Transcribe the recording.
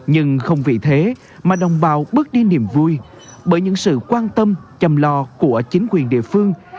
nhưng không vì thế mà đồng bào bước đi niềm vui bởi những sự quan tâm chăm lo của chính quyền địa phương